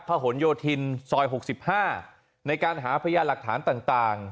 หนโยธินซอย๖๕ในการหาพยานหลักฐานต่าง